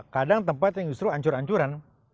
kadang tempat yang justru hancur hancuran